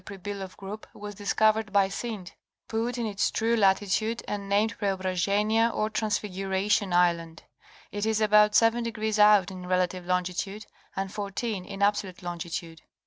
129 Pribiloff group was discovered by Synd, put in its true latitude, and named Preobrazhenia or Transfiguration Island. It is about seven degrees out in relative longitude and fourteen in absolute longitude.